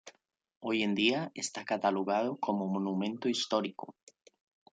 Hoy en día está catalogado como Monumento Histórico.